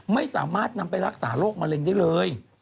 ไม่สามารถนำไปรักษาโรคมะเร็งได้เลย